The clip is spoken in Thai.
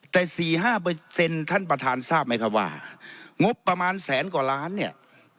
แต่๔๕ท่านประธานทราบไหมครับว่างบประมาณแสนกว่าล้านเนี่ย